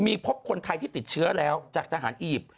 มีพบคนไทยที่ติดเชื้อแล้วจากทหารอียิปต์